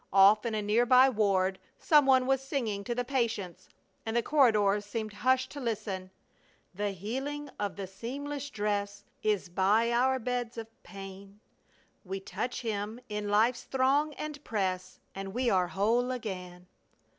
Off in a near by ward some one was singing to the patients, and the corridors seemed hushed to listen: The healing of the seamless dress Is by our beds of pain. We touch Him in life's throng and press And we are whole again!